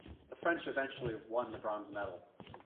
The French eventually won the bronze medal.